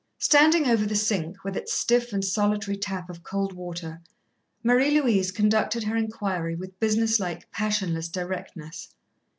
Standing over the sink, with its stiff and solitary tap of cold water, Marie Louise conducted her inquiry with business like, passionless directness.